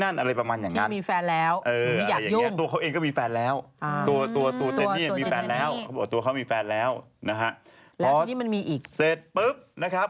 เสร็จปุ๊บบบบบนนะครับคุณไข่ก็เลยออกมาบอกว่า